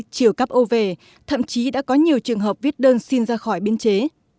chiều cắp ô về thậm chí đã có nhiều trường hợp viết đơn xin ra khỏi biên chế